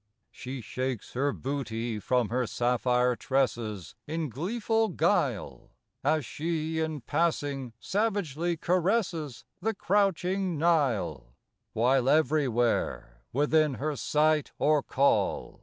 29 She shakes her booty from her sapphire tresses In gleeful guile, As she in passing savagely caresses The crouching Nile; While everywhere, within her sight or call.